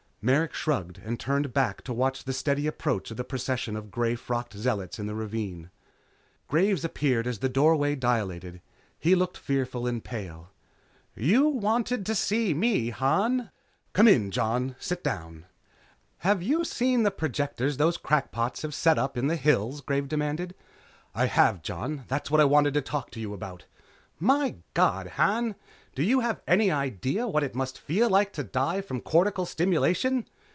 Merrick shrugged and turned back to watch the steady approach of the procession of grey frocked zealots in the ravine. Graves appeared as the doorway dilated. He looked fearful and pale. "You wanted to see me, Han?" "Come in, Jon. Sit down." "Have you seen the projectors those crackpots have set up in the hills?" Graves demanded. "I have, Jon. That's what I wanted to talk to you about." "My God, Han! Do you have any idea of what it must feel like to die from cortical stimulation?"